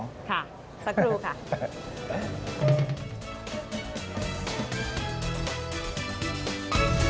สักครู่ค่ะ